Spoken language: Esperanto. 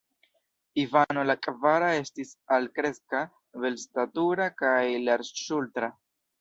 Ivano la kvara estis altkreska, belstatura kaj larĝŝultra.